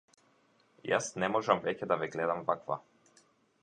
Јас не можам веќе да ве гледам ваква.